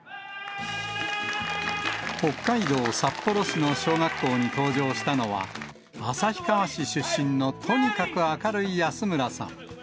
北海道札幌市の小学校に登場したのは、旭川市出身のとにかく明るい安村さん。